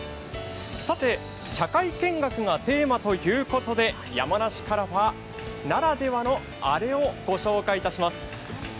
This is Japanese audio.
さて社会見学がテーマということで山梨からは、ならではのあれをご紹介します。